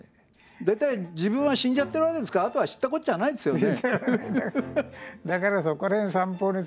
大体自分は死んじゃってるわけですからあとは知ったこっちゃないですよね。